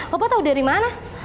papa tahu dari mana